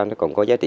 nó còn có giá trị